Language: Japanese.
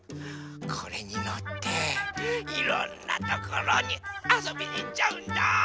これにのっていろんなところにあそびにいっちゃうんだ。